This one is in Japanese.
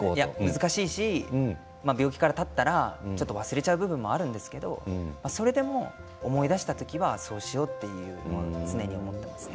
難しいし病気からたったら忘れてしまう部分もあるんですけれどもそれでも思い出したらそうしようと常に思っていますね。